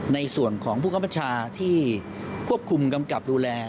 ในส่วนของผู้คับบัญชาที่ควบคุมกำกับดูแล